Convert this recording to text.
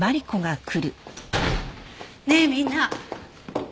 ねえみんな。